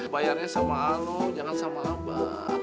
bayarnya sama anu jangan sama laba